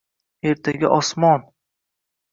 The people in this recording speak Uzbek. Ertaga osmon…»